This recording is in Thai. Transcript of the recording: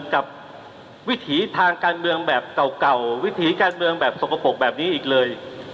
กับวิถีทางการเมืองแบบเก่าวิถีการเมืองแบบสกปรกแบบนี้อีกเลย